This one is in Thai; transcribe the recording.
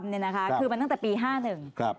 มันตั้งแต่ปี๕๑ครับ